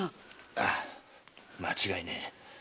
ああ間違いねえ。